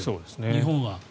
日本は。